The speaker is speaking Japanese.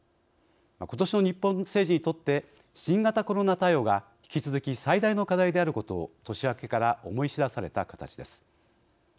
ことしの日本政治にとって新型コロナ対応が引き続き最大の課題であることを年明けから思い知らされた形です。